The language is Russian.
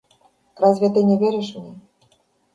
Разве ты не веришь мне?